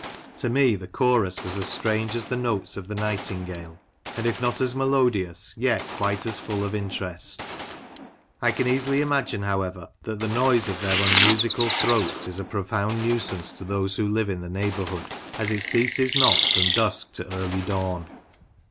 To me the chorus was as strange as the notes of the nightingale, and, if not as melodious, yet quite as full of interest I can easily imagine, however, that the noise of their unmusical throats is a profound nuisance to those who live in the neighbourhood, as it ceases not from dusk to early dawn."